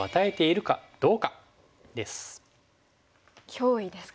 脅威ですか。